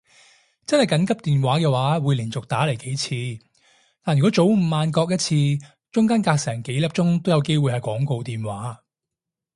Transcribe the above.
真係緊急電話嘅話會連續打嚟幾次，但如果早午晚各一次中間隔成幾粒鐘都有機會係廣告電話